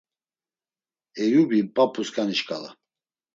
Eyubi p̌ap̌usǩani şǩala.